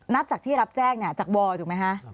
นับจากที่รับแจ้งจากวอถูกไหมคะ